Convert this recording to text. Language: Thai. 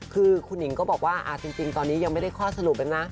คือคุณหนิงก็บอกว่าจริงตอนนี้ยังไม่ได้ข้อสรุปเลยนะ